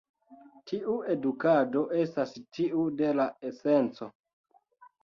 Tiu edukado estas tiu de la esenco.